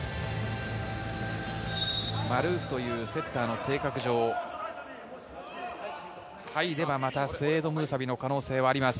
マルーフというセッターの性格上、入ればまたセイエド・ムーサビの可能性があります。